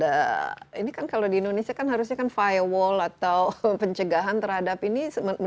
dan ini tidak ada ini kan kalau di indonesia harusnya kan firewall atau pencegahan terhadap ini